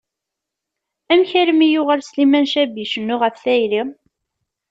Amek armi yuɣal Sliman Cabbi icennu ɣef tayri?